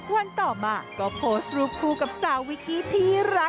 วันต่อมาก็โพสต์รูปคู่กับสาววิกกี้ที่รัก